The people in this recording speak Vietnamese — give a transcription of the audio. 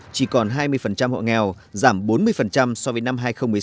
chỉ còn hai mươi hộ nghèo giảm bốn mươi so với năm hai nghìn một mươi sáu